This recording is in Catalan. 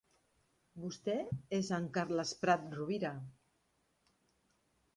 Vostè és en Carles Prat Rovira.